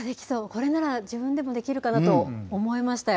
これなら自分でもできるかなと思いましたよ。